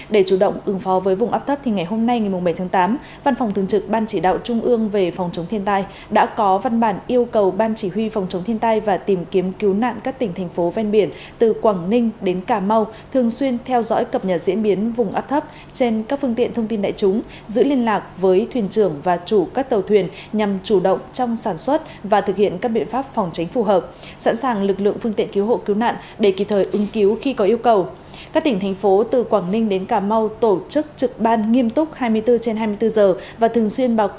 để chủ động ứng phó với vùng áp thất thì ngày hôm nay ngày bảy tháng tám văn phòng thường trực ban chỉ đạo trung ương về phòng chống thiên tai đã có văn bản yêu cầu ban chỉ huy phòng chống thiên tai và tìm kiếm cứu nạn các tỉnh thành phố ven biển từ quảng ninh đến cà mau thường xuyên theo dõi cập nhật diễn biến vùng áp thất trên các phương tiện thông tin đại chúng giữ liên lạc với thuyền trưởng và chủ các tàu thuyền nhằm chủ động trong sản xuất và thực hiện các biện pháp phòng tránh phù hợp sẵn sàng lực lượng phương tiện cứu hộ cứu nạn để kịp thời ứng cứ